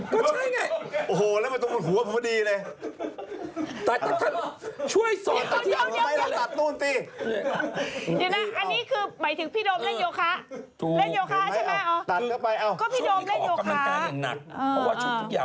ก็ใช่ไงโอ้โหแล้วมันน่ารูปหน้าผมดีเลย